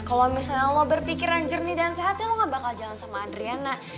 kalau misalnya lo mau berpikir yang jernih dan sehat sih lo gak bakal jalan sama adriana